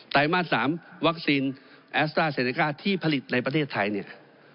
ไรมาส๓วัคซีนแอสตราเซเนก้าที่ผลิตในประเทศไทยเนี่ย